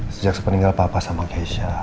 sejak sepeninggal papa sama keisha